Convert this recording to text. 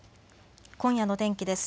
今夜の天気です。